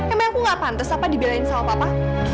emang aku gak pantas apa dibelain sama papa